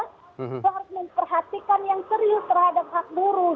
kita harus memperhatikan yang serius terhadap hak buruh